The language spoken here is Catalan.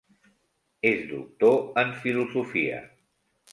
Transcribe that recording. És doctor en Filosofia.